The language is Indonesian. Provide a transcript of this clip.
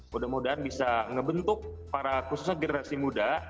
mudah mudahan bisa ngebentuk para khususnya generasi muda